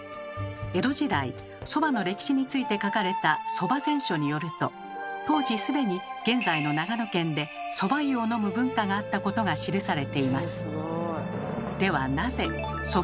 江戸時代そばの歴史について書かれた「蕎麦全書」によると当時既に現在の長野県でそば湯を飲む文化があったことが記されています。